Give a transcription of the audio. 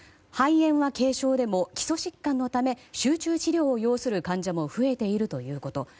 肺炎は軽症でも、基礎疾患のため集中治療を要する患者も増えているということ。